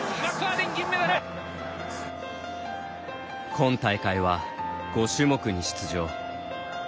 今大会は５種目に出場。